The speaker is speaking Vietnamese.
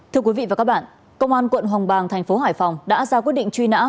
thưa quý vị và các bạn công an quận hồng bàng thành phố hải phòng đã ra quyết định truy nã